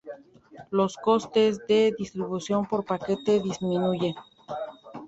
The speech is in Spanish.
Los costes de distribución por paquete disminuyen.